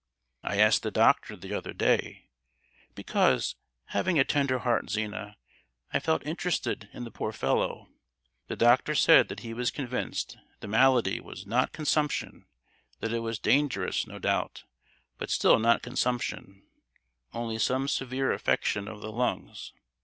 "I asked the doctor the other day, because, having a tender heart, Zina, I felt interested in the poor fellow. The doctor said that he was convinced the malady was not consumption; that it was dangerous, no doubt, but still not consumption, only some severe affection of the lungs.